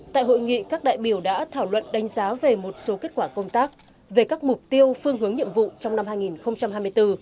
tại hội nghị các đại biểu đã thảo luận đánh giá về một số kết quả công tác về các mục tiêu phương hướng nhiệm vụ trong năm hai nghìn hai mươi bốn